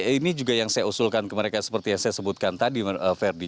ini juga yang saya usulkan ke mereka seperti yang saya sebutkan tadi verdi